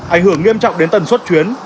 ảnh hưởng nghiêm trọng đến tần suất chuyến